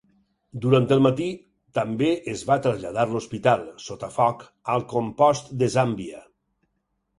Durant el matí també es va traslladar l'hospital, sota foc, al compost de Zàmbia.